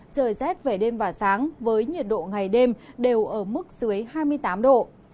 trời rét về đêm và sáng với nhiệt độ ngày đêm đều ở mức dưới hai mươi tám độ